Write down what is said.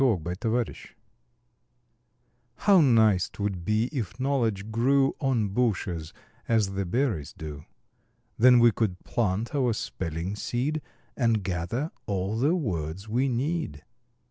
EASY KNOWLEDGE How nice 'twould be if knowledge grew On bushes, as the berries do! Then we could plant our spelling seed, And gather all the words we need.